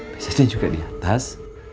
biasanya juga di atas